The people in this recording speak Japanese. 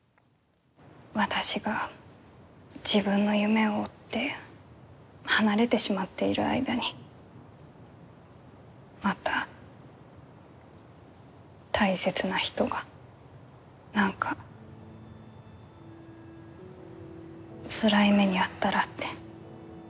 私が自分の夢を追って離れてしまっている間にまた大切な人が、何かつらい目に遭ったらって。